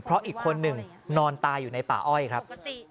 เพราะอีกคนหนึ่งนอนตายอยู่ในป่าอ้อยครับ